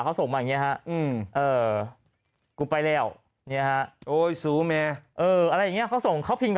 เขาส่งมาเนี่ยครับกูไปแล้วเนี่ยโอ้ยสู้แม่เขาส่งเขาพิมพ์